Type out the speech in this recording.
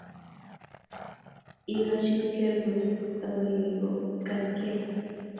Ilochi kipkerkutit akoiwei kogatkei